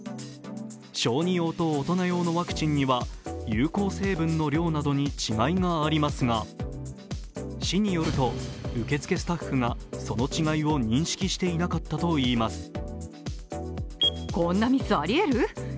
小児用と大人用のワクチンには有効成分の量などに違いがありますが、市によると受付スタッフがその違いを認識していなかったといいます。